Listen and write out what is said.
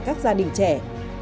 các gia đình trẻ